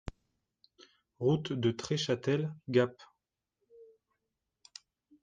Route de Treschâtel, Gap